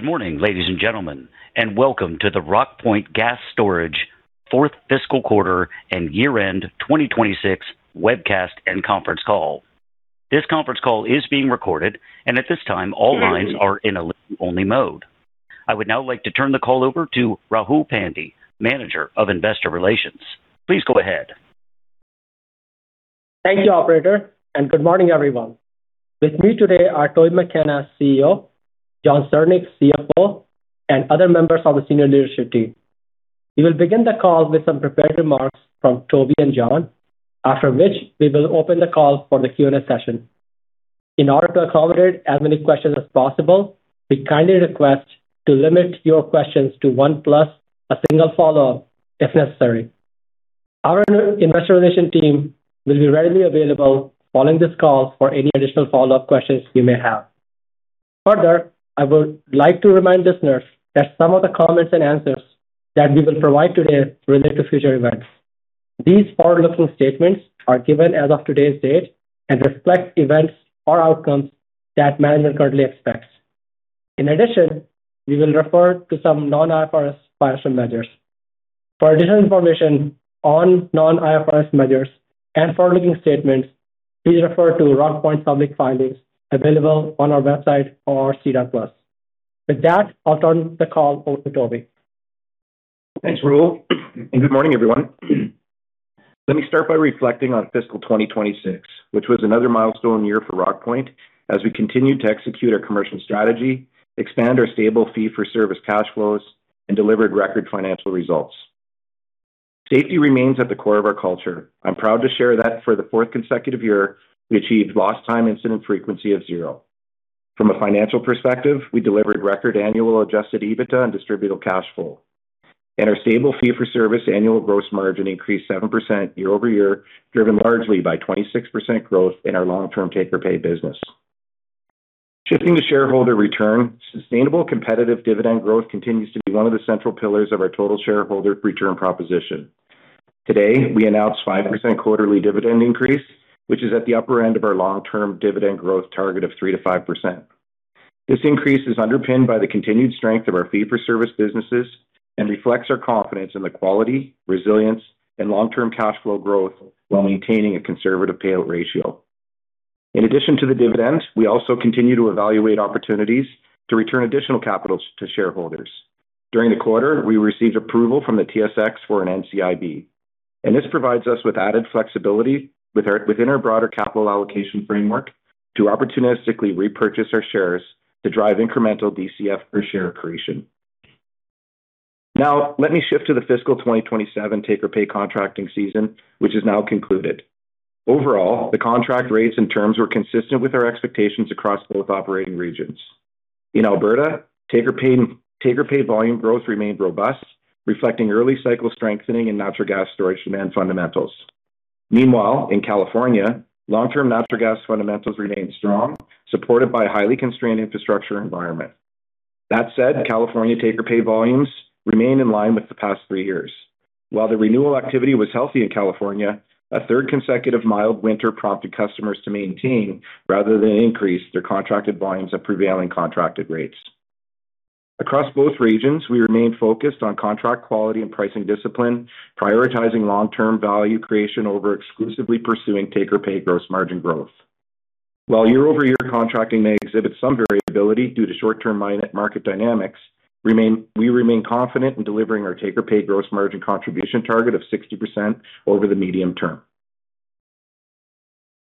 Good morning, ladies and gentlemen, and welcome to the Rockpoint Gas Storage Fourth Fiscal Quarter and Year-End 2026 Webcast and Conference Call. I would now like to turn the call over to Rahul Pandey, Manager of Investor Relations. Please go ahead. Thank you, Operator, and good morning, everyone. With me today are Toby McKenna, CEO, Jon Syrnyk, CFO, and other members of the senior leadership team. We will begin the call with some prepared remarks from Toby and Jon, after which we will open the call for the Q&A session. In order to accommodate as many questions as possible, we kindly request to limit your questions to one plus a single follow-up if necessary. Our Investor Relations team will be readily available following this call for any additional follow-up questions you may have. Further, I would like to remind listeners that some of the comments and answers that we will provide today relate to future events. These forward-looking statements are given as of today's date and reflect events or outcomes that management currently expects. In addition, we will refer to some non-IFRS financial measures. For additional information on non-IFRS measures and forward-looking statements, please refer to Rockpoint's public filings available on our website or SEDAR+. With that, I'll turn the call over to Toby. Thanks, Rahul. Good morning, everyone. Let me start by reflecting on fiscal 2026, which was another milestone year for Rockpoint as we continued to execute our commercial strategy, expand our stable fee-for-service cash flows, and delivered record financial results. Safety remains at the core of our culture. I am proud to share that for the fourth consecutive year, we achieved lost time incident frequency of zero. From a financial perspective, we delivered record annual Adjusted EBITDA and distributable cash flow. Our stable fee-for-service annual gross margin increased 7% year-over-year, driven largely by 26% growth in our long-term take-or-pay business. Shifting to shareholder return, sustainable competitive dividend growth continues to be one of the central pillars of our total shareholder return proposition. Today, we announced 5% quarterly dividend increase, which is at the upper end of our long-term dividend growth target of 3%-5%. This increase is underpinned by the continued strength of our fee-for-service businesses and reflects our confidence in the quality, resilience, and long-term cash flow growth while maintaining a conservative payout ratio. In addition to the dividend, we also continue to evaluate opportunities to return additional capital to shareholders. During the quarter, we received approval from the TSX for an NCIB, and this provides us with added flexibility within our broader capital allocation framework to opportunistically repurchase our shares to drive incremental DCF per share creation. Now, let me shift to the fiscal 2027 take-or-pay contracting season, which is now concluded. Overall, the contract rates and terms were consistent with our expectations across both operating regions. In Alberta, take-or-pay volume growth remained robust, reflecting early-cycle strengthening in natural gas storage demand fundamentals. Meanwhile, in California, long-term natural gas fundamentals remained strong, supported by a highly constrained infrastructure environment. California take-or-pay volumes remain in line with the past three years. While the renewal activity was healthy in California, a third consecutive mild winter prompted customers to maintain rather than increase their contracted volumes at prevailing contracted rates. Across both regions, we remained focused on contract quality and pricing discipline, prioritizing long-term value creation over exclusively pursuing take-or-pay gross margin growth. While year-over-year contracting may exhibit some variability due to short-term market dynamics, we remain confident in delivering our take-or-pay gross margin contribution target of 60% over the medium term.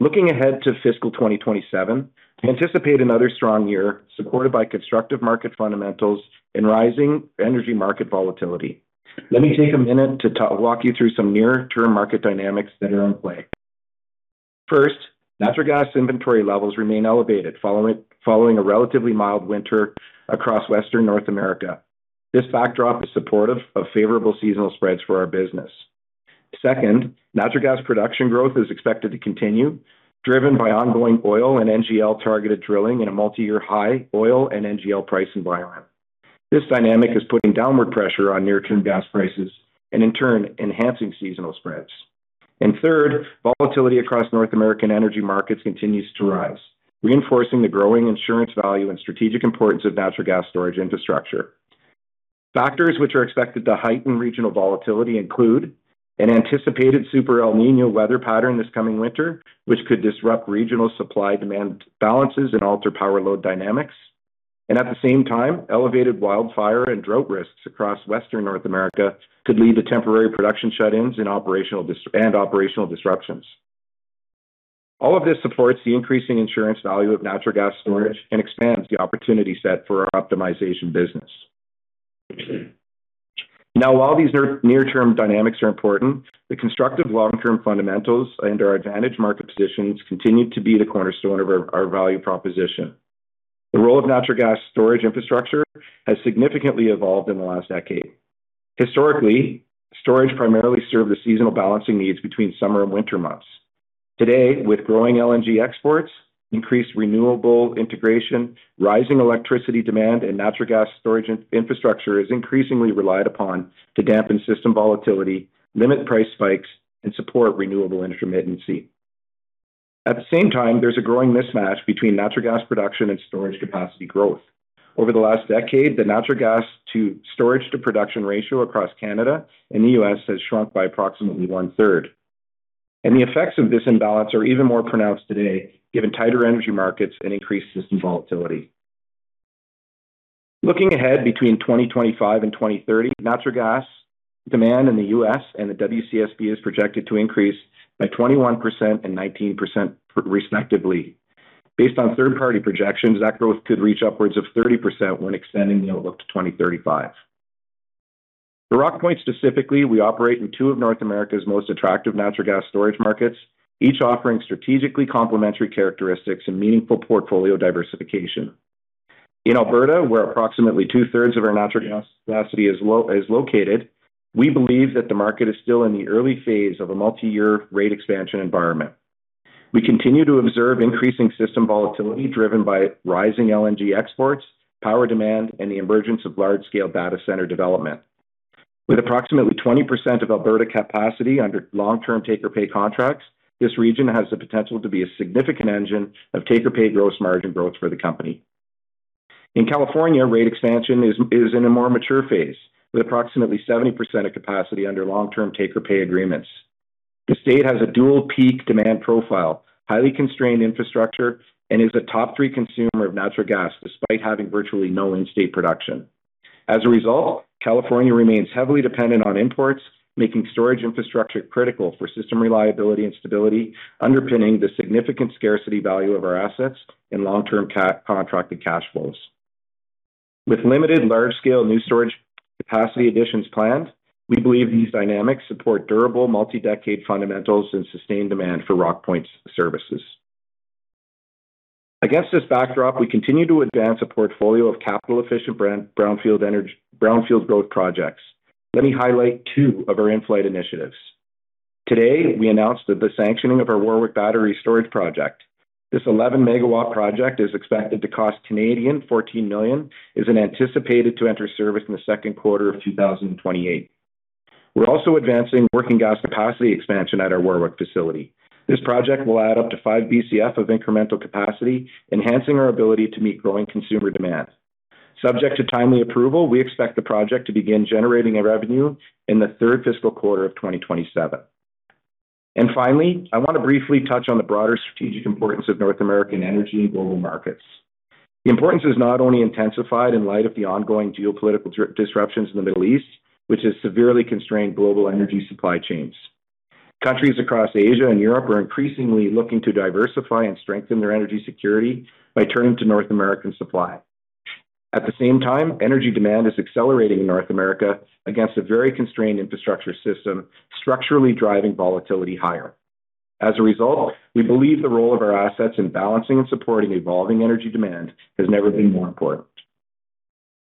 Looking ahead to fiscal 2027, we anticipate another strong year supported by constructive market fundamentals and rising energy market volatility. Let me take a minute to walk you through some near-term market dynamics that are in play. First, natural gas inventory levels remain elevated following a relatively mild winter across western North America. This backdrop is supportive of favorable seasonal spreads for our business. Second, natural gas production growth is expected to continue, driven by ongoing oil and NGL-targeted drilling in a multi-year high oil and NGL price environment. This dynamic is putting downward pressure on near-term gas prices and in turn enhancing seasonal spreads. Third, volatility across North American energy markets continues to rise, reinforcing the growing insurance value and strategic importance of natural gas storage infrastructure. Factors which are expected to heighten regional volatility include an anticipated Super El Niño weather pattern this coming winter, which could disrupt regional supply-demand balances and alter power load dynamics. At the same time, elevated wildfire and drought risks across western North America could lead to temporary production shut-ins and operational disruptions. All of this supports the increasing insurance value of natural gas storage and expands the opportunity set for our optimization business. While these near-term dynamics are important, the constructive long-term fundamentals and our advantage market positions continue to be the cornerstone of our value proposition. The role of natural gas storage infrastructure has significantly evolved in the last decade. Historically, storage primarily served the seasonal balancing needs between summer and winter months. Today, with growing LNG exports, increased renewable integration, rising electricity demand, and natural gas storage infrastructure is increasingly relied upon to dampen system volatility, limit price spikes, and support renewable intermittency. At the same time, there's a growing mismatch between natural gas production and storage capacity growth. Over the last decade, the natural gas to storage to production ratio across Canada and the U.S. has shrunk by approximately 1/3. The effects of this imbalance are even more pronounced today, given tighter energy markets and increased system volatility. Looking ahead, between 2025 and 2030, natural gas demand in the U.S. and the WCSB is projected to increase by 21% and 19%, respectively. Based on third-party projections, that growth could reach upwards of 30% when extending the outlook to 2035. For Rockpoint specifically, we operate in two of North America's most attractive natural gas storage markets, each offering strategically complementary characteristics and meaningful portfolio diversification. In Alberta, where approximately two-thirds of our natural gas capacity is located, we believe that the market is still in the early phase of a multi-year rate expansion environment. We continue to observe increasing system volatility driven by rising LNG exports, power demand, and the emergence of large-scale data center development. With approximately 20% of Alberta capacity under long-term take-or-pay contracts, this region has the potential to be a significant engine of take-or-pay gross margin growth for the company. In California, rate expansion is in a more mature phase, with approximately 70% of capacity under long-term take-or-pay agreements. The state has a dual peak demand profile, highly constrained infrastructure, and is a top three consumer of natural gas, despite having virtually no in-state production. As a result, California remains heavily dependent on imports, making storage infrastructure critical for system reliability and stability, underpinning the significant scarcity value of our assets in long-term contracted cash flows. With limited large-scale new storage capacity additions planned, we believe these dynamics support durable multi-decade fundamentals and sustained demand for Rockpoint's services. Against this backdrop, we continue to advance a portfolio of capital-efficient brownfield growth projects. Let me highlight two of our in-flight initiatives. Today, we announced the sanctioning of our Warwick Battery Storage project. This 11-megawatt project is expected to cost 14 million Canadian dollars, is anticipated to enter service in the second quarter of 2028. We're also advancing working gas capacity expansion at our Warwick facility. This project will add up to five BCF of incremental capacity, enhancing our ability to meet growing consumer demand. Subject to timely approval, we expect the project to begin generating revenue in the third fiscal quarter of 2027. Finally, I want to briefly touch on the broader strategic importance of North American energy in global markets. The importance has not only intensified in light of the ongoing geopolitical disruptions in the Middle East, which has severely constrained global energy supply chains. Countries across Asia and Europe are increasingly looking to diversify and strengthen their energy security by turning to North American supply. At the same time, energy demand is accelerating in North America against a very constrained infrastructure system, structurally driving volatility higher. As a result, we believe the role of our assets in balancing and supporting evolving energy demand has never been more important.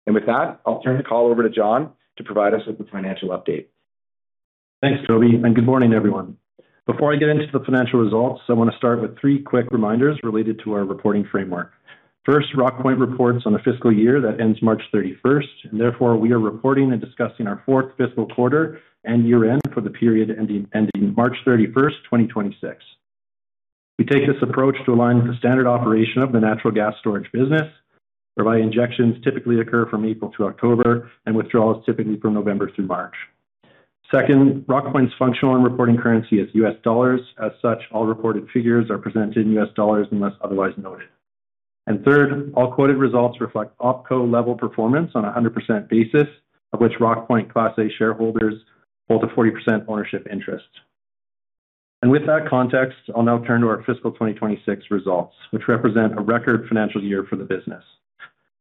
With that, I'll turn the call over to Jon to provide us with the financial update. Thanks, Toby. Good morning, everyone. Before I get into the financial results, I want to start with three quick reminders related to our reporting framework. First, Rockpoint reports on a fiscal year that ends March 31st. Therefore, we are reporting and discussing our fourth fiscal quarter and year-end for the period ending March 31st, 2026. We take this approach to align with the standard operation of the natural gas storage business, whereby injections typically occur from April to October and withdrawals typically from November through March. Second, Rockpoint's functional and reporting currency is U.S. dollars. As such, all reported figures are presented in U.S. dollars unless otherwise noted. Third, all quoted results reflect OpCo level performance on 100% basis, of which Rockpoint Class A shareholders hold a 40% ownership interest. With that context, I'll now turn to our fiscal 2026 results, which represent a record financial year for the business.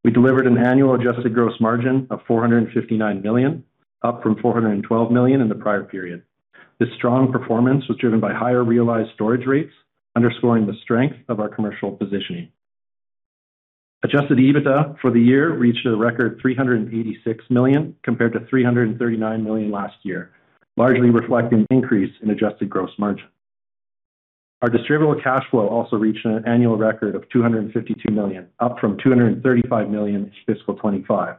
We delivered an annual adjusted gross margin of $459 million, up from $412 million in the prior period. This strong performance was driven by higher realized storage rates, underscoring the strength of our commercial positioning. Adjusted EBITDA for the year reached a record $386 million, compared to $339 million last year, largely reflecting an increase in adjusted gross margin. Our distributable cash flow also reached an annual record of $252 million, up from $235 million in fiscal 2025.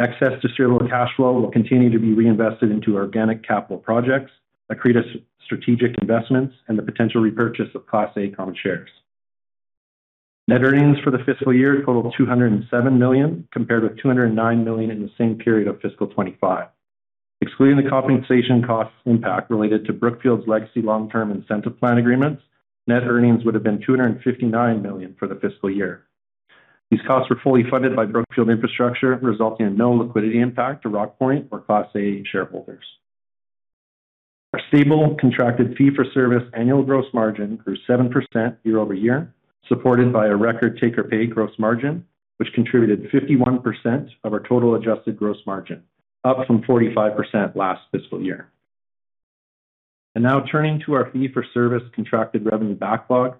Excess distributable cash flow will continue to be reinvested into organic capital projects, accretive strategic investments, and the potential repurchase of Class A common shares. Net earnings for the fiscal year totaled $207 million, compared with $209 million in the same period of fiscal 2025. Excluding the compensation cost impact related to Brookfield's legacy long-term incentive plan agreements, net earnings would have been $259 million for the fiscal year. These costs were fully funded by Brookfield Infrastructure, resulting in no liquidity impact to Rockpoint or Class A shareholders. Our stable contracted fee-for-service annual gross margin grew 7% year-over-year, supported by a record take-or-pay gross margin, which contributed 51% of our total adjusted gross margin, up from 45% last fiscal year. Now turning to our fee-for-service contracted revenue backlog.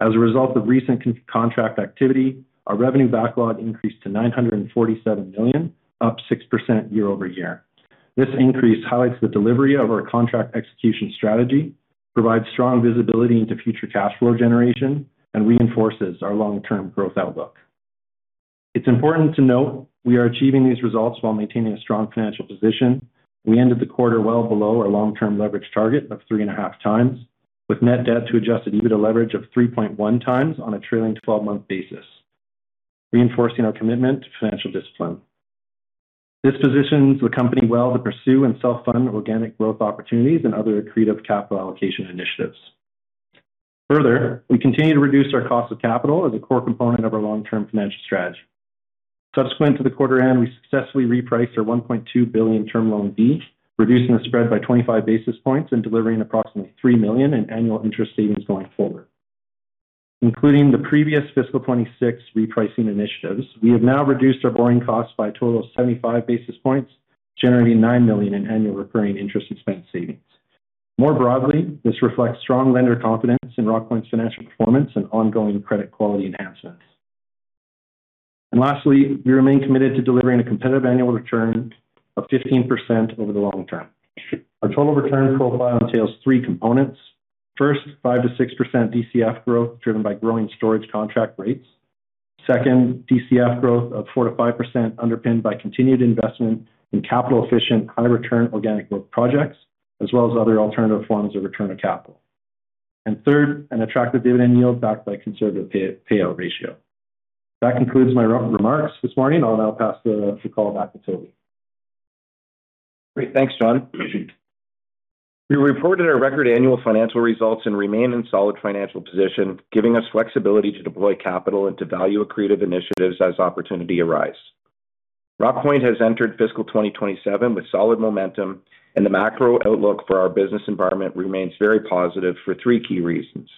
As a result of recent contract activity, our revenue backlog increased to $947 million, up 6% year-over-year. This increase highlights the delivery of our contract execution strategy, provides strong visibility into future cash flow generation, and reinforces our long-term growth outlook. It's important to note we are achieving these results while maintaining a strong financial position. We ended the quarter well below our long-term leverage target of three and a half times, with net debt to Adjusted EBITDA leverage of 3.1x on a trailing 12-month basis, reinforcing our commitment to financial discipline. This positions the company well to pursue and self-fund organic growth opportunities and other accretive capital allocation initiatives. Further, we continue to reduce our cost of capital as a core component of our long-term financial strategy. Subsequent to the quarter end, we successfully repriced our $1.2 billion Term Loan B, reducing the spread by 25 basis points and delivering approximately $3 million in annual interest savings going forward. Including the previous fiscal 2026 repricing initiatives, we have now reduced our borrowing costs by a total of 75 basis points, generating $9 million in annual recurring interest expense savings. More broadly, this reflects strong lender confidence in Rockpoint's financial performance and ongoing credit quality enhancements. Lastly, we remain committed to delivering a competitive annual return of 15% over the long term. Our total return profile entails three components. First, 5%-6% DCF growth driven by growing storage contract rates. Second, DCF growth of 4%-5% underpinned by continued investment in capital-efficient, high-return organic growth projects, as well as other alternative forms of return of capital. Third, an attractive dividend yield backed by conservative payout ratio. That concludes my remarks this morning. I'll now pass the call back to Toby. Great. Thanks, Jon. We reported our record annual financial results and remain in solid financial position, giving us flexibility to deploy capital into value-accretive initiatives as opportunity arise. Rockpoint has entered fiscal 2027 with solid momentum. The macro outlook for our business environment remains very positive for three key reasons.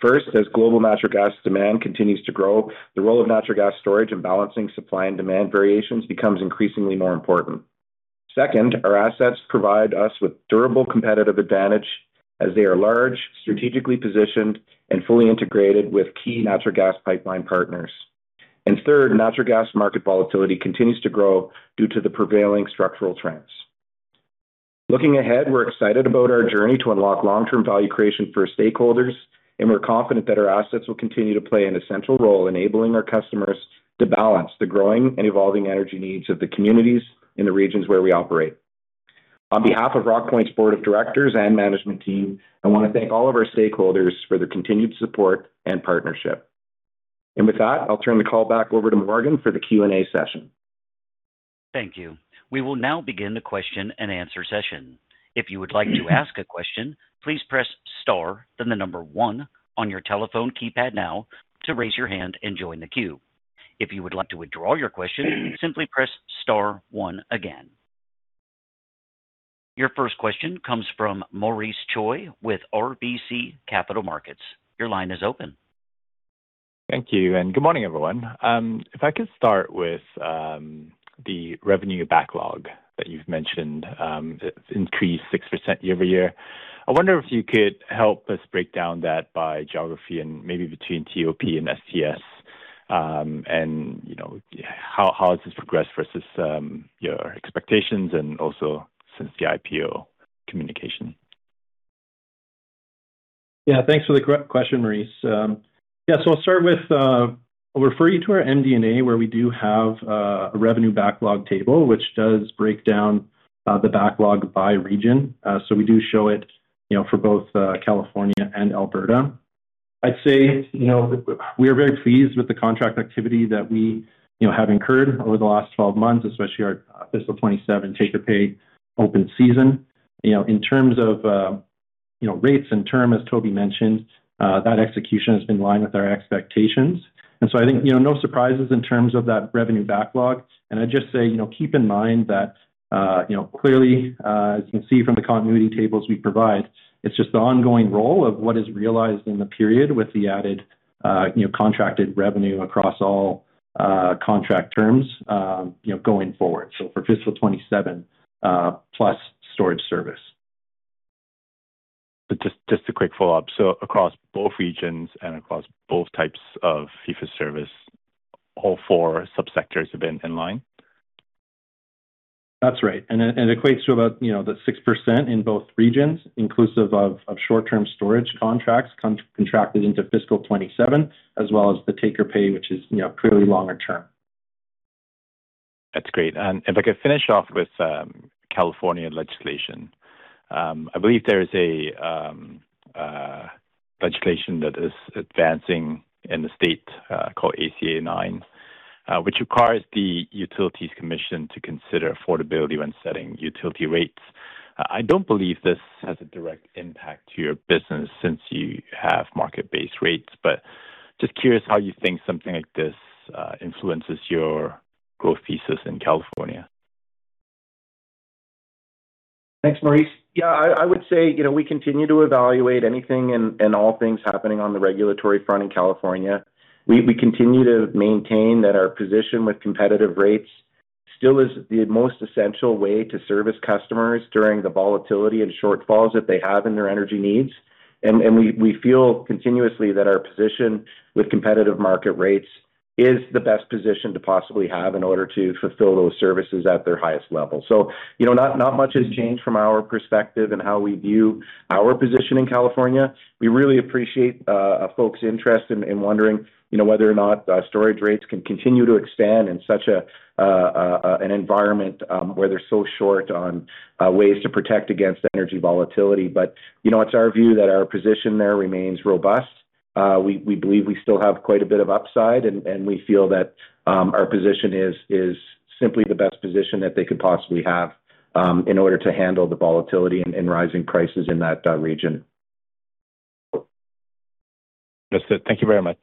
First, as global natural gas demand continues to grow, the role of natural gas storage in balancing supply and demand variations becomes increasingly more important. Second, our assets provide us with durable competitive advantage as they are large, strategically positioned, and fully integrated with key natural gas pipeline partners. Third, natural gas market volatility continues to grow due to the prevailing structural trends. Looking ahead, we're excited about our journey to unlock long-term value creation for stakeholders. We're confident that our assets will continue to play an essential role enabling our customers to balance the growing and evolving energy needs of the communities in the regions where we operate. On behalf of Rockpoint's board of directors and management team, I want to thank all of our stakeholders for their continued support and partnership. With that, I'll turn the call back over to Morgan for the Q&A session. Thank you. We will now begin the question-and-answer session. If you would like to ask a question, please press star, then the number one on your telephone keypad now to raise your hand and join the queue. If you would like to withdraw your question, simply press star one again. Your first question comes from Maurice Choy with RBC Capital Markets. Your line is open. Thank you and good morning, everyone. If I could start with the revenue backlog that you've mentioned. It's increased 6% year-over-year. I wonder if you could help us break down that by geography and maybe between TOP and SCS. How has this progressed versus your expectations and also since the IPO communication? Thanks for the question, Maurice. I'll start with, I'll refer you to our MD&A where we do have a revenue backlog table, which does break down the backlog by region. We do show it for both California and Alberta. I'd say we are very pleased with the contract activity that we have incurred over the last 12 months, especially our fiscal 2027 take-or-pay open season. In terms of rates and term, as Toby mentioned, that execution has been in line with our expectations. I think no surprises in terms of that revenue backlog. I'd just say, keep in mind that clearly, as you can see from the continuity tables we provide, it's just the ongoing role of what is realized in the period with the added contracted revenue across all contract terms going forward. For fiscal 2027, plus storage service. Just a quick follow-up. Across both regions and across both types of fee-for-service, all four sub-sectors have been in line? That's right. It equates to about the 6% in both regions, inclusive of short-term storage contracts contracted into fiscal 2027, as well as the take-or-pay, which is clearly longer term. That's great. If I could finish off with California legislation. I believe there is a legislation that is advancing in the state, called ACA 9, which requires the Utilities Commission to consider affordability when setting utility rates. I don't believe this has a direct impact to your business since you have market-based rates, but just curious how you think something like this influences your growth thesis in California. Thanks, Maurice. Yeah, I would say we continue to evaluate anything and all things happening on the regulatory front in California. We continue to maintain that our position with competitive rates still is the most essential way to service customers during the volatility and shortfalls that they have in their energy needs. We feel continuously that our position with competitive market rates is the best position to possibly have in order to fulfill those services at their highest level. Not much has changed from our perspective in how we view our position in California. We really appreciate folks' interest in wondering whether or not storage rates can continue to expand in such an environment where they're so short on ways to protect against energy volatility. It's our view that our position there remains robust. We believe we still have quite a bit of upside, and we feel that our position is simply the best position that they could possibly have in order to handle the volatility and rising prices in that region. That's it. Thank you very much.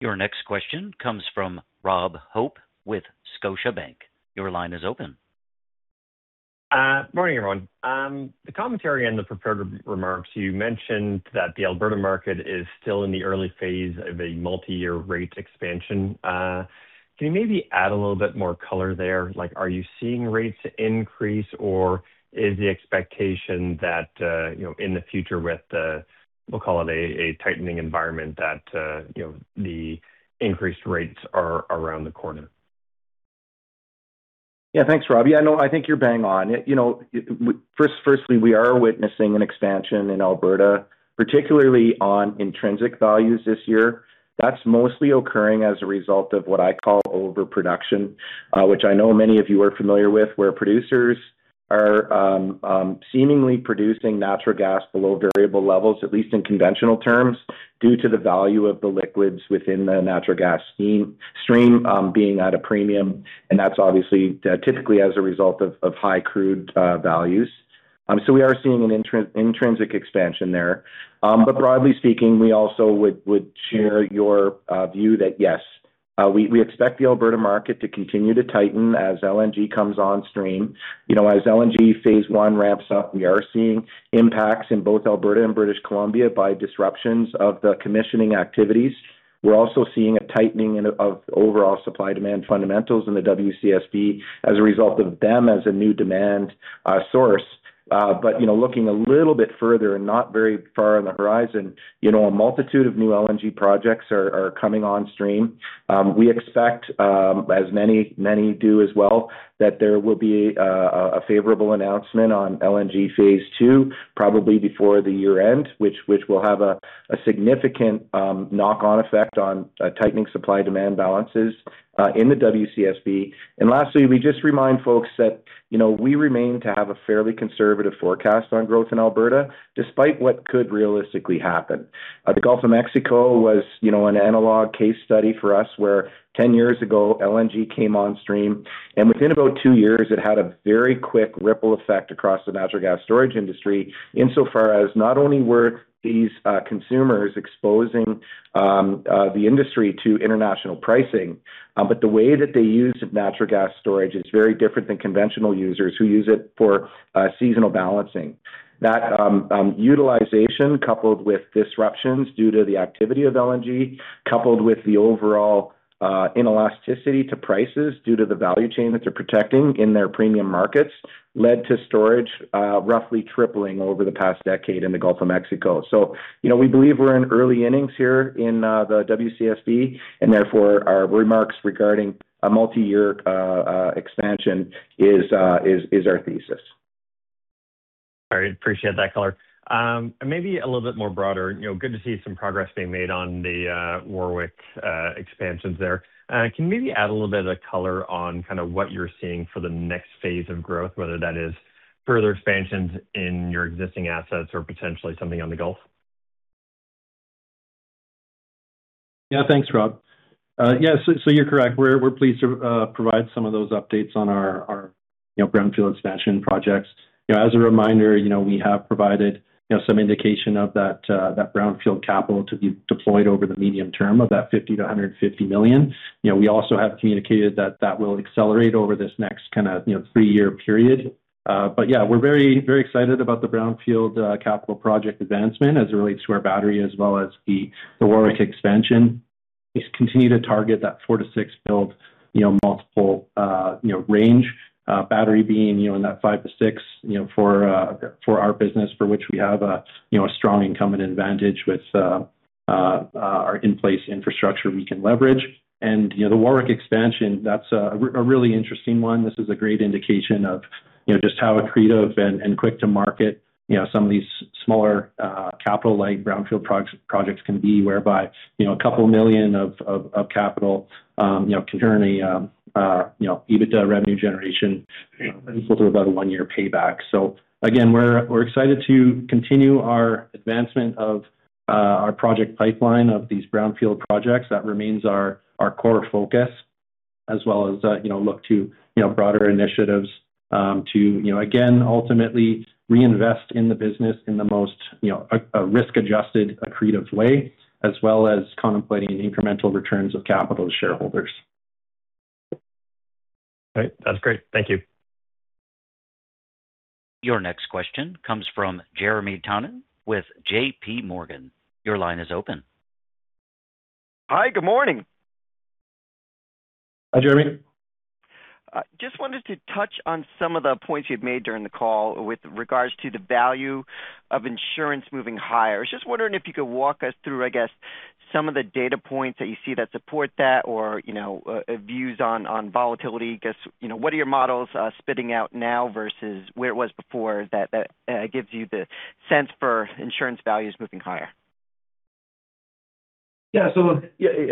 Your next question comes from Rob Hope with Scotiabank. Your line is open. Morning, everyone. The commentary in the prepared remarks, you mentioned that the Alberta market is still in the early phase of a multi-year rate expansion. Can you maybe add a little bit more color there? Are you seeing rates increase or is the expectation that, in the future with the, we'll call it a tightening environment that, the increased rates are around the corner? Thanks, Rob. No, I think you're bang on. Firstly, we are witnessing an expansion in Alberta, particularly on intrinsic values this year. That's mostly occurring as a result of what I call overproduction, which I know many of you are familiar with, where producers are seemingly producing natural gas below variable levels, at least in conventional terms, due to the value of the liquids within the natural gas stream being at a premium. That's obviously, typically as a result of high crude values. We are seeing an intrinsic expansion there. Broadly speaking, we also would share your view that, yes, we expect the Alberta market to continue to tighten as LNG comes on stream. As LNG Phase One ramps up, we are seeing impacts in both Alberta and British Columbia by disruptions of the commissioning activities. We're also seeing a tightening of overall supply-demand fundamentals in the WCSB as a result of them as a new demand source. Looking a little bit further and not very far on the horizon, a multitude of new LNG projects are coming on stream. We expect, as many do as well, that there will be a favorable announcement on LNG Phase Two probably before the year-end, which will have a significant knock-on effect on tightening supply-demand balances in the WCSB. Lastly, we just remind folks that we remain to have a fairly conservative forecast on growth in Alberta, despite what could realistically happen. The Gulf of Mexico was an analog case study for us where 10 years ago, LNG came on stream, and within about two years, it had a very quick ripple effect across the natural gas storage industry, insofar as not only were these consumers exposing the industry to international pricing, but the way that they used natural gas storage is very different than conventional users who use it for seasonal balancing. That utilization, coupled with disruptions due to the activity of LNG, coupled with the overall inelasticity to prices due to the value chain that they're protecting in their premium markets, led to storage roughly tripling over the past decade in the Gulf of Mexico. We believe we're in early innings here in the WCSB, and therefore, our remarks regarding a multiyear expansion is our thesis. All right. Appreciate that color. Maybe a little bit more broader, good to see some progress being made on the Warwick expansions there. Can you maybe add a little bit of color on what you're seeing for the next phase of growth, whether that is further expansions in your existing assets or potentially something on the Gulf? Thanks, Rob. Yes, since you're correct. We're pleased to provide some of those updates on our brownfield expansion projects. As a reminder, we have provided some indication of that brownfield capital to be deployed over the medium term of that $50 million-$150 million. We also have communicated that that will accelerate over this next three-year period. We're very excited about the brownfield capital project advancement as it relates to our battery, as well as the Warwick expansion. We continue to target that four to six build multiple range. Battery being in that five to six for our business, for which we have a strong incumbent advantage with our in-place infrastructure we can leverage. The Warwick expansion, that's a really interesting one. This is a great indication of just how accretive and quick to market some of these smaller capital-like brownfield projects can be, whereby a couple of million of capital can turn a EBITDA revenue generation equivalent to about a one-year payback. Again, we're excited to continue our advancement of our project pipeline of these brownfield projects. That remains our core focus as well as look to broader initiatives to, again, ultimately reinvest in the business in the most risk-adjusted, accretive way, as well as contemplating incremental returns of capital to shareholders. Great. That's great. Thank you. Your next question comes from Jeremy Tonet with JPMorgan. Your line is open. Hi. Good morning. Hi, Jeremy Tonet. Just wanted to touch on some of the points you've made during the call with regards to the value of insurance moving higher. I was just wondering if you could walk us through, I guess, some of the data points that you see that support that or views on volatility. I guess, what are your models spitting out now versus where it was before that gives you the sense for insurance values moving higher? Yeah.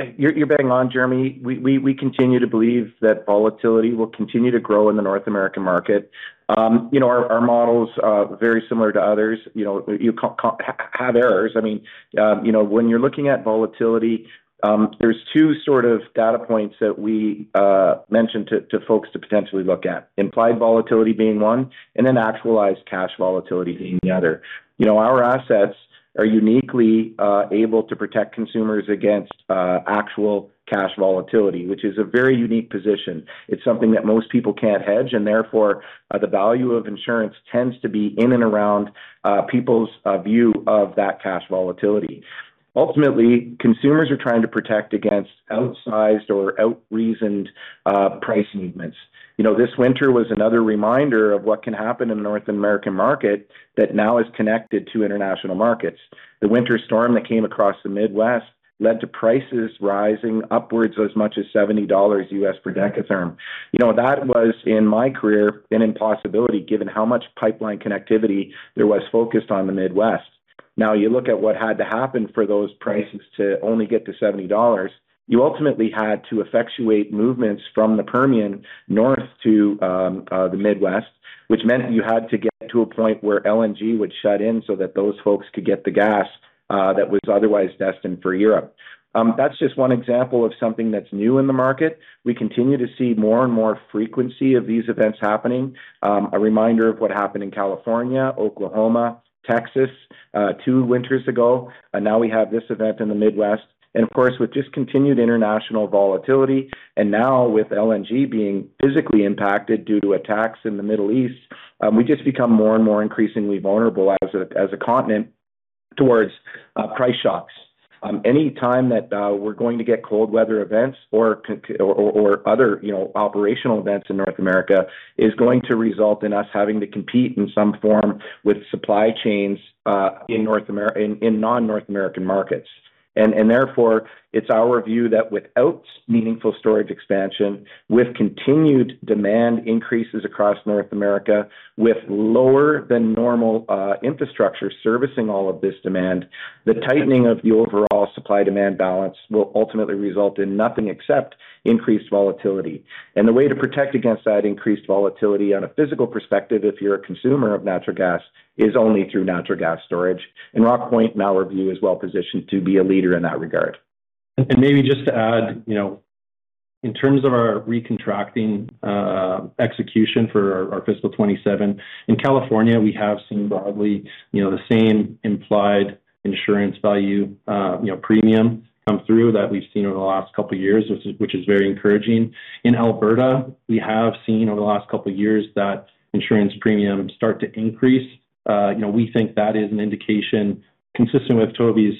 You're bang on, Jeremy Tonet. We continue to believe that volatility will continue to grow in the North American market. Our models are very similar to others. You have errors. When you're looking at volatility, there's two sort of data points that we mentioned to folks to potentially look at. Implied volatility being one, and then actualized cash volatility being the other. Our assets are uniquely able to protect consumers against actual cash volatility, which is a very unique position. It's something that most people can't hedge, and therefore, the value of insurance tends to be in and around people's view of that cash volatility. Ultimately, consumers are trying to protect against outsized or out-reasoned price movements. This winter was another reminder of what can happen in the North American market that now is connected to international markets. The winter storm that came across the Midwest led to prices rising upwards as much as $70 per dekatherm. That was, in my career, an impossibility, given how much pipeline connectivity there was focused on the Midwest. Now, you look at what had to happen for those prices to only get to $70. You ultimately had to effectuate movements from the Permian north to the Midwest, which meant you had to get to a point where LNG would shut in so that those folks could get the gas that was otherwise destined for Europe. That's just one example of something that's new in the market. We continue to see more and more frequency of these events happening. A reminder of what happened in California, Oklahoma, Texas, two winters ago, and now we have this event in the Midwest. Of course, with just continued international volatility, and now with LNG being physically impacted due to attacks in the Middle East, we just become more and more increasingly vulnerable as a continent towards price shocks. Any time that we're going to get cold weather events or other operational events in North America is going to result in us having to compete in some form with supply chains in non-North American markets. Therefore, it's our view that without meaningful storage expansion, with continued demand increases across North America, with lower than normal infrastructure servicing all of this demand, the tightening of the overall supply-demand balance will ultimately result in nothing except increased volatility. The way to protect against that increased volatility on a physical perspective, if you're a consumer of natural gas, is only through natural gas storage. Rockpoint, in our view, is well-positioned to be a leader in that regard. Maybe just to add, in terms of our recontracting execution for our fiscal 2027, in California, we have seen broadly the same implied insurance value premium come through that we've seen over the last couple of years, which is very encouraging. In Alberta, we have seen over the last couple of years that insurance premiums start to increase. We think that is an indication consistent with Toby's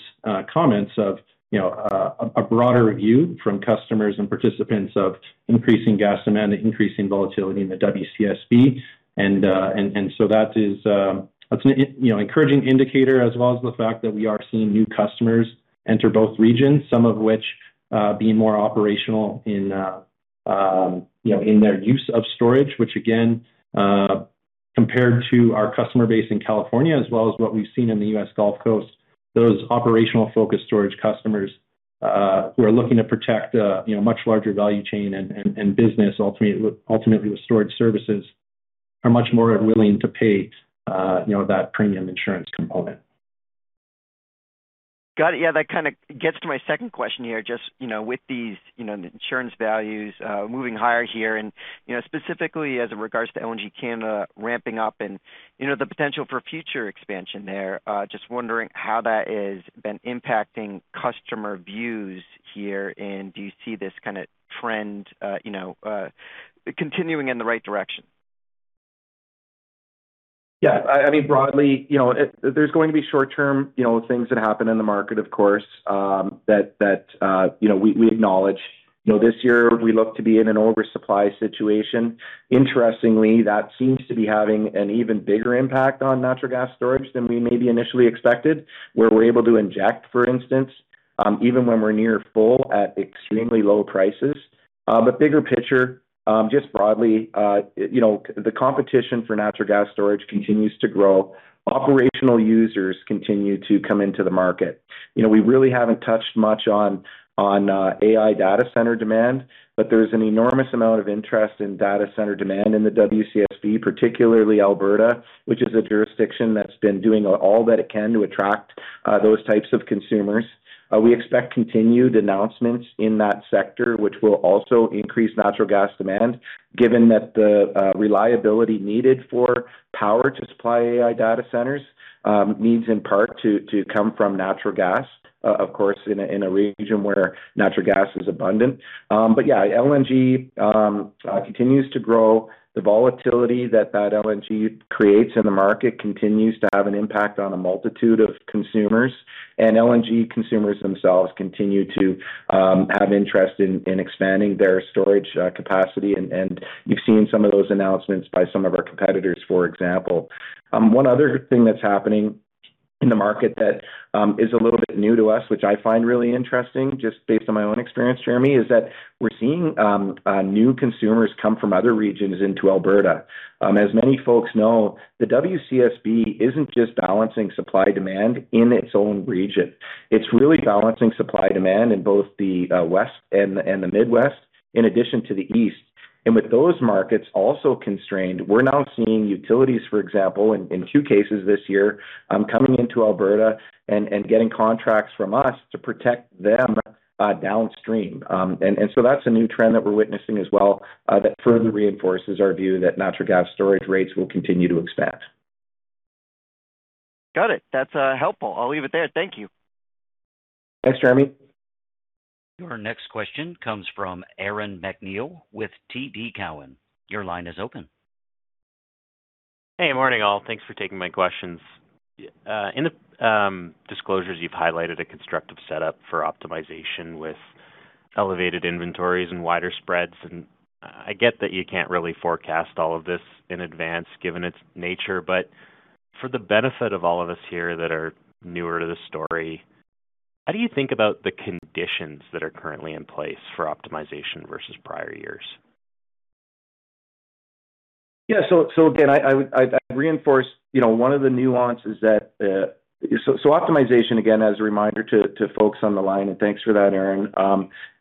comments of a broader view from customers and participants of increasing gas demand and increasing volatility in the WCSB. That's an encouraging indicator, as well as the fact that we are seeing new customers enter both regions, some of which being more operational in their use of storage, which again, compared to our customer base in California, as well as what we've seen in the U.S. Gulf Coast, those operational-focused storage customers who are looking to protect a much larger value chain and business, ultimately with storage services, are much more willing to pay that premium insurance component. Got it. Yeah, that kind of gets to my second question here, just with these insurance values moving higher here and specifically as it regards to LNG Canada ramping up and the potential for future expansion there. Wondering how that has been impacting customer views here, and do you see this kind of trend continuing in the right direction? Yeah. I mean, broadly, there's going to be short-term things that happen in the market, of course, that we acknowledge. This year, we look to be in an oversupply situation. Interestingly, that seems to be having an even bigger impact on natural gas storage than we maybe initially expected, where we're able to inject, for instance, even when we're near full at extremely low prices. Bigger picture, just broadly, the competition for natural gas storage continues to grow. Operational users continue to come into the market. We really haven't touched much on AI data center demand, but there is an enormous amount of interest in data center demand in the WCSB, particularly Alberta, which is a jurisdiction that's been doing all that it can to attract those types of consumers. We expect continued announcements in that sector, which will also increase natural gas demand, given that the reliability needed for power to supply AI data centers needs in part to come from natural gas, of course, in a region where natural gas is abundant. Yeah, LNG continues to grow. The volatility that LNG creates in the market continues to have an impact on a multitude of consumers. LNG consumers themselves continue to have interest in expanding their storage capacity. You've seen some of those announcements by some of our competitors, for example. One other thing that's happening in the market that is a little bit new to us, which I find really interesting, just based on my own experience, Jeremy is that we're seeing new consumers come from other regions into Alberta. As many folks know, the WCSB isn't just balancing supply-demand in its own region. It's really balancing supply-demand in both the West and the Midwest, in addition to the East. With those markets also constrained, we're now seeing utilities, for example, in two cases this year, coming into Alberta and getting contracts from us to protect them downstream. That's a new trend that we're witnessing as well, that further reinforces our view that natural gas storage rates will continue to expand. Got it. That's helpful. I'll leave it there. Thank you. Thanks, Jeremy. Our next question comes from Aaron MacNeil with TD Cowen. Your line is open. Hey, good morning, all. Thanks for taking my questions. In the disclosures, you've highlighted a constructive setup for optimization with elevated inventories and wider spreads. I get that you can't really forecast all of this in advance, given its nature, but for the benefit of all of us here that are newer to the story, how do you think about the conditions that are currently in place for optimization versus prior years? Again, I'd reinforce, optimization, again, as a reminder to folks on the line, and thanks for that, Aaron,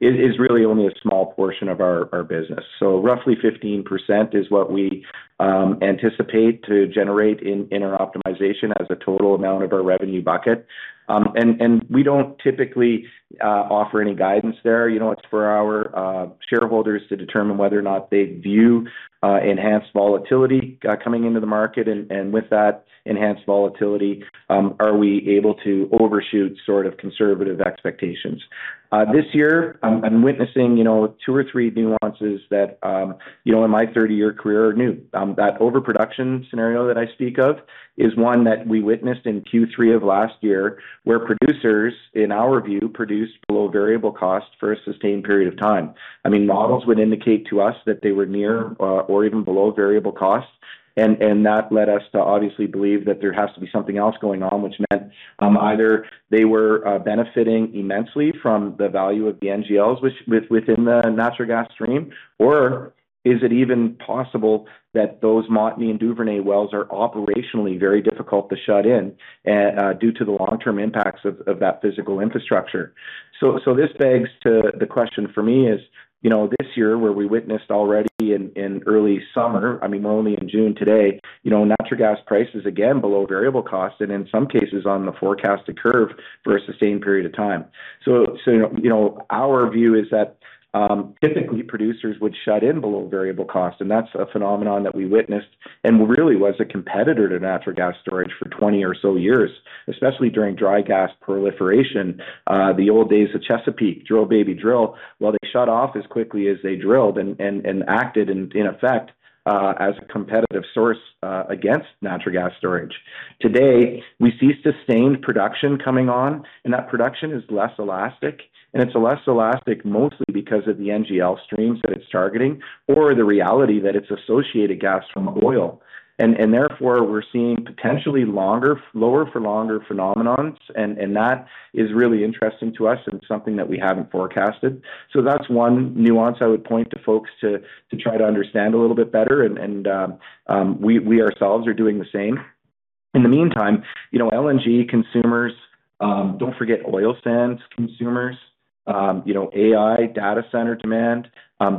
is really only a small portion of our business. Roughly 15% is what we anticipate to generate in our optimization as a total amount of our revenue bucket. We don't typically offer any guidance there. It's for our shareholders to determine whether or not they view enhanced volatility coming into the market. With that enhanced volatility, are we able to overshoot sort of conservative expectations? This year, I'm witnessing two or three nuances that, in my 30-year career, are new. That overproduction scenario that I speak of is one that we witnessed in Q3 of last year, where producers, in our view, produced below variable cost for a sustained period of time. Models would indicate to us that they were near or even below variable cost. That led us to obviously believe that there has to be something else going on, which meant either they were benefiting immensely from the value of the NGLs within the natural gas stream, or is it even possible that those Montney and Duvernay wells are operationally very difficult to shut in due to the long-term impacts of that physical infrastructure. This begs to the question for me is, this year where we witnessed already in early summer, we're only in June today, natural gas prices again below variable cost and in some cases on the forecasted curve for a sustained period of time. Our view is that, typically, producers would shut in below variable cost, and that's a phenomenon that we witnessed and really was a competitor to natural gas storage for 20 or so years, especially during dry gas proliferation, the old days of Chesapeake, drill, baby, drill. They shut off as quickly as they drilled and acted in effect, as a competitive source against natural gas storage. Today, we see sustained production coming on, and that production is less elastic, and it's less elastic mostly because of the NGL streams that it's targeting or the reality that it's associated gas from oil. Therefore, we're seeing potentially lower for longer phenomenons, and that is really interesting to us and something that we haven't forecasted. That's one nuance I would point to folks to try to understand a little bit better. We ourselves are doing the same. In the meantime, LNG consumers, don't forget oil sands consumers, AI, data center demand,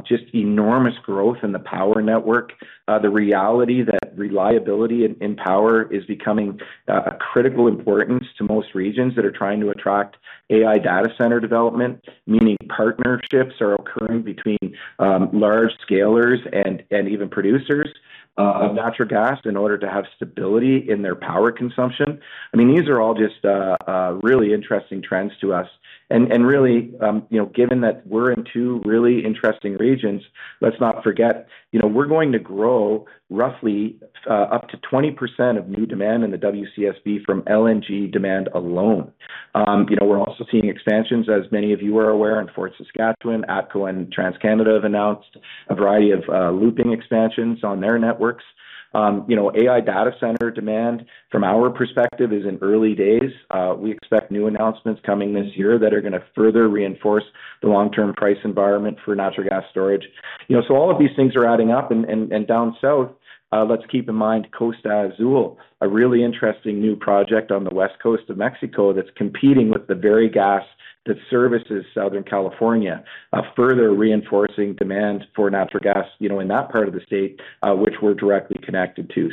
just enormous growth in the power network. The reality that reliability in power is becoming a critical importance to most regions that are trying to attract AI data center development, meaning partnerships are occurring between large scalers and even producers of natural gas in order to have stability in their power consumption. These are all just really interesting trends to us. Really, given that we're in two really interesting regions, let's not forget, we're going to grow roughly up to 20% of new demand in the WCSB from LNG demand alone. We're also seeing expansions, as many of you are aware, in Fort Saskatchewan. ATCO and TransCanada have announced a variety of looping expansions on their networks. AI data center demand, from our perspective, is in early days. We expect new announcements coming this year that are going to further reinforce the long-term price environment for natural gas storage. All of these things are adding up. Down south, let's keep in mind Costa Azul, a really interesting new project on the West Coast of Mexico that's competing with the very gas that services Southern California, further reinforcing demand for natural gas, in that part of the state, which we're directly connected to.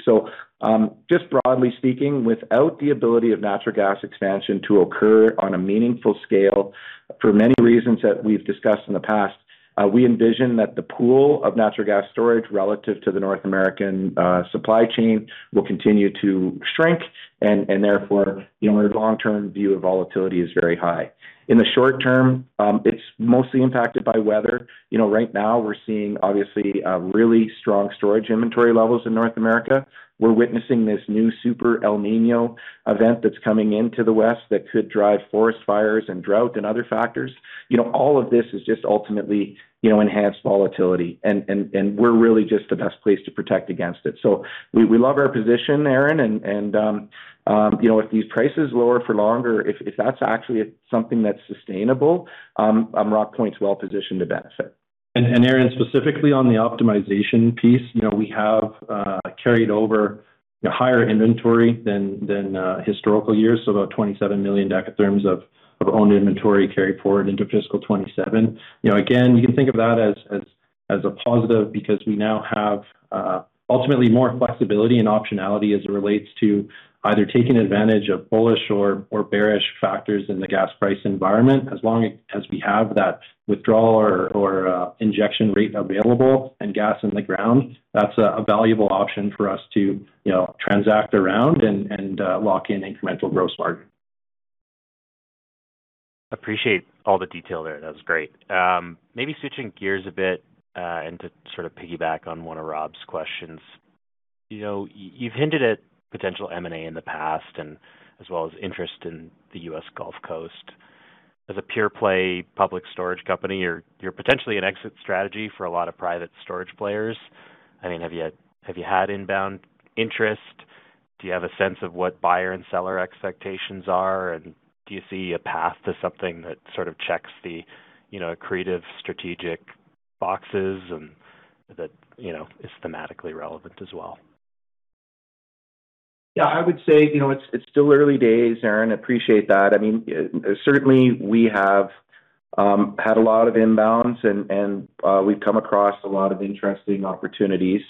Just broadly speaking, without the ability of natural gas expansion to occur on a meaningful scale for many reasons that we've discussed in the past. We envision that the pool of natural gas storage relative to the North American supply chain will continue to shrink, and therefore, our long-term view of volatility is very high. In the short term, it's mostly impacted by weather. Right now we're seeing, obviously, really strong storage inventory levels in North America. We're witnessing this new Super El Niño event that's coming into the west that could drive forest fires and drought and other factors. All of this is just ultimately enhanced volatility, and we're really just the best place to protect against it. We love our position, Aaron, and if these prices lower for longer, if that's actually something that's sustainable, Rockpoint's well positioned to benefit. Aaron, specifically on the optimization piece, we have carried over higher inventory than historical years, so about 27 million dekatherms of owned inventory carried forward into fiscal 2027. You can think of that as a positive because we now have ultimately more flexibility and optionality as it relates to either taking advantage of bullish or bearish factors in the gas price environment. As long as we have that withdrawal or injection rate available and gas in the ground, that's a valuable option for us to transact around and lock in incremental gross margin. Appreciate all the detail there. That was great. Maybe switching gears a bit, and to sort of piggyback on one of Rob's questions. You've hinted at potential M&A in the past, as well as interest in the U.S. Gulf Coast. As a pure-play public storage company, you're potentially an exit strategy for a lot of private storage players. Have you had inbound interest? Do you have a sense of what buyer and seller expectations are, and do you see a path to something that sort of checks the accretive strategic boxes and that is thematically relevant as well? Yeah, I would say it's still early days, Aaron. Appreciate that. We have had a lot of inbounds and we've come across a lot of interesting opportunities.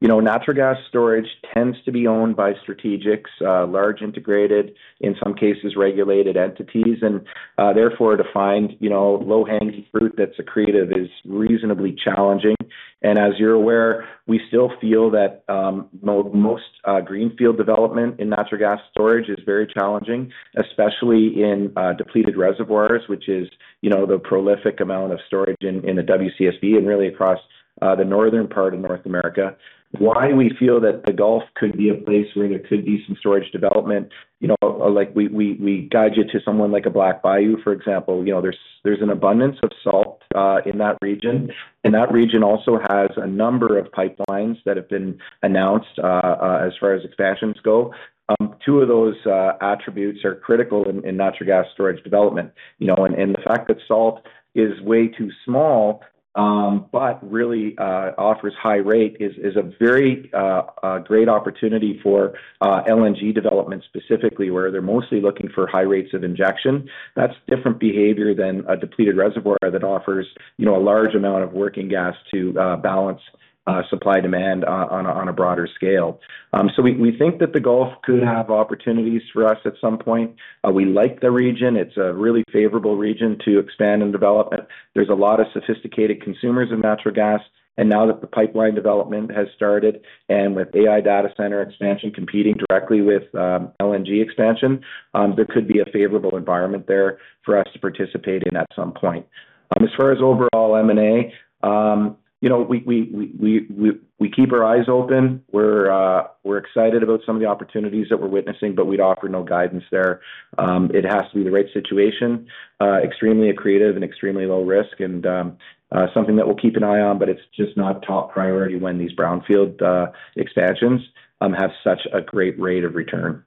Natural gas storage tends to be owned by strategics, large integrated, in some cases regulated entities. To find low-hanging fruit that's accretive is reasonably challenging. As you're aware, we still feel that most greenfield development in natural gas storage is very challenging, especially in depleted reservoirs, which is the prolific amount of storage in the WCSB and really across the northern part of North America. Why we feel that the Gulf could be a place where there could be some storage development, like we guide you to someone like a Black Bayou, for example. There's an abundance of salt in that region. That region also has a number of pipelines that have been announced as far as expansions go. Two of those attributes are critical in natural gas storage development. The fact that salt is way too small, but really offers high rate is a very great opportunity for LNG development specifically, where they're mostly looking for high rates of injection. That's different behavior than a depleted reservoir that offers a large amount of working gas to balance supply demand on a broader scale. We think that the Gulf could have opportunities for us at some point. We like the region. It's a really favorable region to expand and develop. There's a lot of sophisticated consumers of natural gas. Now that the pipeline development has started, and with AI data center expansion competing directly with LNG expansion, there could be a favorable environment there for us to participate in at some point. As far as overall M&A, we keep our eyes open. We're excited about some of the opportunities that we're witnessing, but we'd offer no guidance there. It has to be the right situation. Extremely accretive and extremely low risk, and something that we'll keep an eye on, but it's just not top priority when these brownfield expansions have such a great rate of return.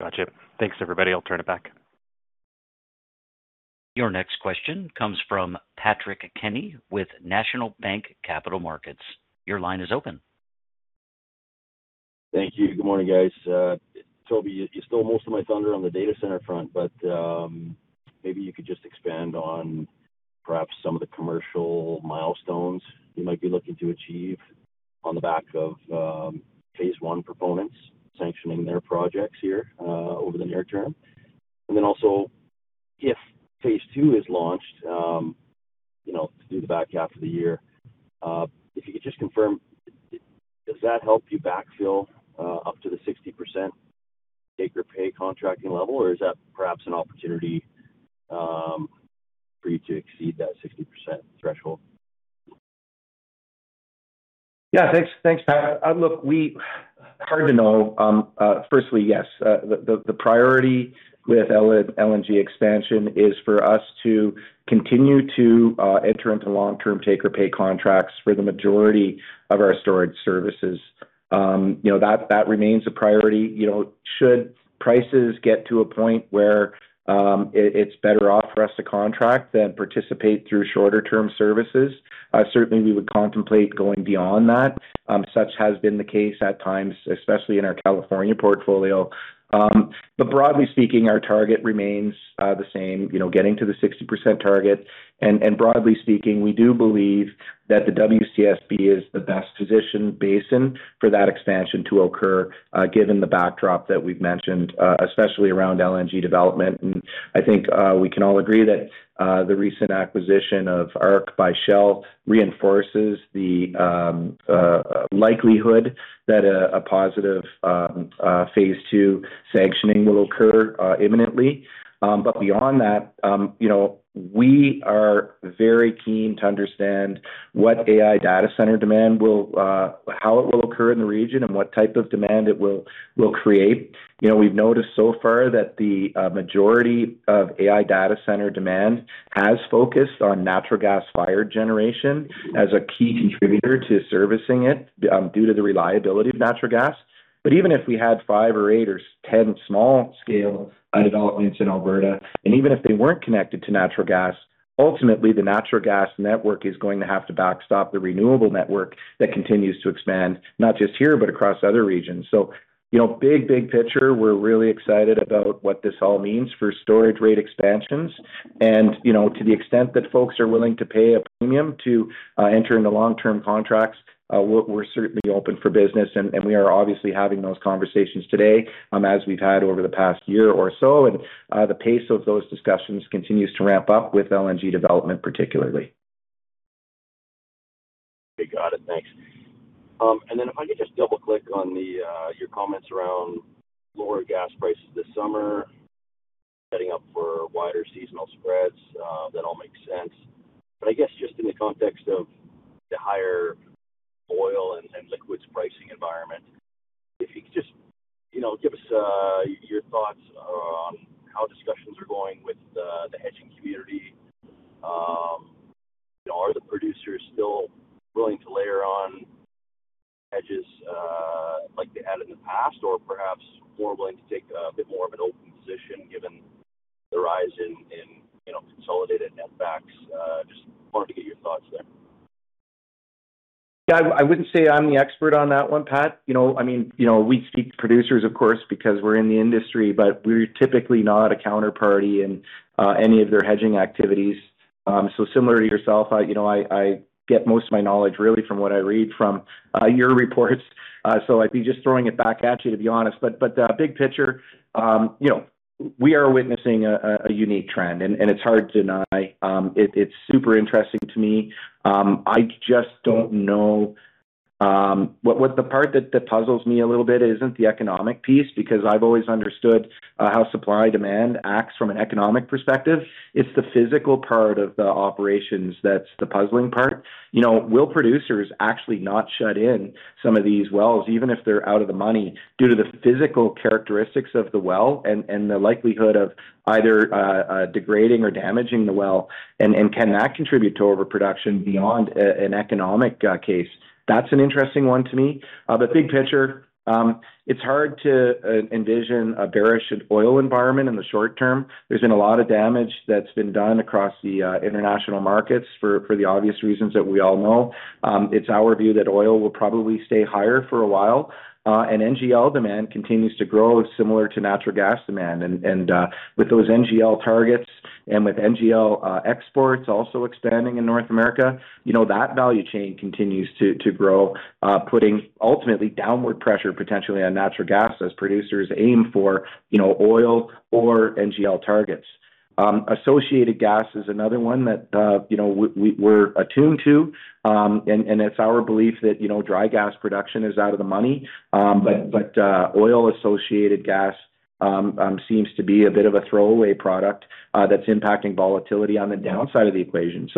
Gotcha. Thanks, everybody. I'll turn it back. Your next question comes from Patrick Kenny with National Bank Capital Markets. Your line is open. Thank you. Good morning, guys. Toby, you stole most of my thunder on the data center front, but maybe you could just expand on perhaps some of the commercial milestones you might be looking to achieve on the back of phase I proponents sanctioning their projects here over the near term. Also, if Phase Two is launched through the back half of the year, if you could just confirm, does that help you backfill up to the 60% take-or-pay contracting level, or is that perhaps an opportunity for you to exceed that 60% threshold? Yeah. Thanks, Pat. Look, hard to know. Firstly, yes. The priority with LNG expansion is for us to continue to enter into long-term take-or-pay contracts for the majority of our storage services. That remains a priority. Should prices get to a point where it's better off for us to contract than participate through shorter-term services, certainly we would contemplate going beyond that. Such has been the case at times, especially in our California portfolio. Broadly speaking, our target remains the same, getting to the 60% target. Broadly speaking, we do believe that the WCSB is the best-positioned basin for that expansion to occur, given the backdrop that we've mentioned, especially around LNG development. I think we can all agree that the recent acquisition of ARC by Shell reinforces the likelihood that a positive phase II sanctioning will occur imminently. Beyond that, we are very keen to understand what AI data center demand will occur in the region and what type of demand it will create. We've noticed so far that the majority of AI data center demand has focused on natural gas-fired generation as a key contributor to servicing it due to the reliability of natural gas. Even if we had five or eight or ten small-scale developments in Alberta, and even if they weren't connected to natural gas, ultimately the natural gas network is going to have to backstop the renewable network that continues to expand, not just here, but across other regions. Big picture, we're really excited about what this all means for storage rate expansions. To the extent that folks are willing to pay a premium to enter into long-term contracts, we're certainly open for business, and we are obviously having those conversations today, as we've had over the past year or so. The pace of those discussions continues to ramp up with LNG development, particularly. Okay, got it. Thanks. If I could just double-click on your comments around lower gas prices this summer, setting up for wider seasonal spreads. That all makes sense. I guess just in the context of the higher oil and liquids pricing environment, if you could just give us your thoughts on how discussions are going with the hedging community. Are the producers still willing to layer on hedges like they had in the past or perhaps more willing to take a bit more of an open position given the rise in consolidated netbacks? Just wanted to get your thoughts there. Yeah, I wouldn't say I'm the expert on that one, Pat. We speak to producers, of course, because we're in the industry, but we're typically not a counterparty in any of their hedging activities. Similar to yourself, I get most of my knowledge really from what I read from your reports. I'd be just throwing it back at you, to be honest. Big picture, we are witnessing a unique trend, and it's hard to deny. It's super interesting to me. I just don't know. The part that puzzles me a little bit isn't the economic piece, because I've always understood how supply-demand acts from an economic perspective. It's the physical part of the operations that's the puzzling part. Will producers actually not shut in some of these wells, even if they're out of the money due to the physical characteristics of the well and the likelihood of either degrading or damaging the well, and can that contribute to overproduction beyond an economic case? That's an interesting one to me. Big picture, it's hard to envision a bearish oil environment in the short term. There's been a lot of damage that's been done across the international markets for the obvious reasons that we all know. It's our view that oil will probably stay higher for a while. NGL demand continues to grow similar to natural gas demand. With those NGL targets and with NGL exports also expanding in North America, that value chain continues to grow, putting ultimately downward pressure potentially on natural gas as producers aim for oil or NGL targets. Associated gas is another one that we're attuned to. It's our belief that dry gas production is out of the money. Oil-associated gas seems to be a bit of a throwaway product that's impacting volatility on the downside of the equation.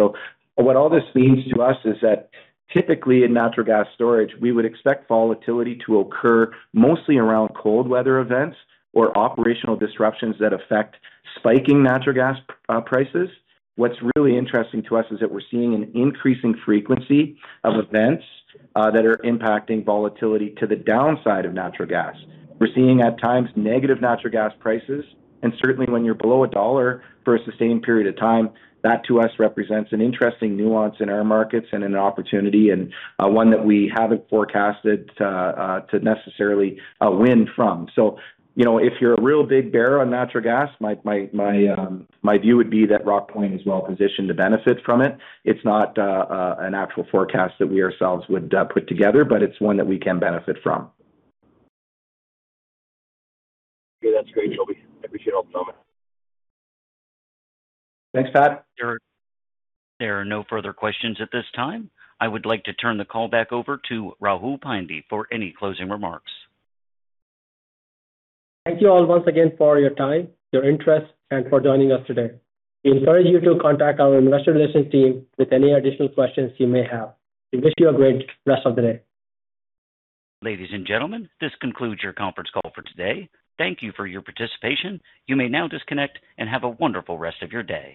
What all this means to us is that typically in natural gas storage, we would expect volatility to occur mostly around cold weather events or operational disruptions that affect spiking natural gas prices. What's really interesting to us is that we're seeing an increasing frequency of events that are impacting volatility to the downside of natural gas. We're seeing, at times, negative natural gas prices, and certainly when you're below $1 for a sustained period of time, that to us represents an interesting nuance in our markets and an opportunity, and one that we haven't forecasted to necessarily win from. If you're a real big bear on natural gas, my view would be that Rockpoint is well-positioned to benefit from it. It's not an actual forecast that we ourselves would put together, but it's one that we can benefit from. Okay, that's great, Toby. I appreciate all the comment. Thanks, Pat. There are no further questions at this time. I would like to turn the call back over to Rahul Pandey for any closing remarks. Thank you all once again for your time, your interest, and for joining us today. We encourage you to contact our investor relations team with any additional questions you may have. We wish you a great rest of the day. Ladies and gentlemen, this concludes your conference call for today. Thank you for your participation. You may now disconnect and have a wonderful rest of your day.